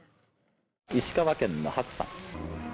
石川県の白山。